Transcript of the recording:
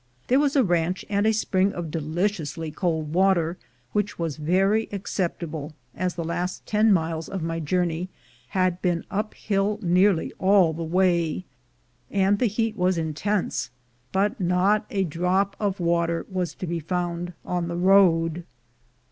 There was a ranch and a spring of deliciously cold water, which was very acceptable, as the last ten miles of my journey had been uphill nearly all the way, and the heat was intense, but not a drop of water was to be found on the road.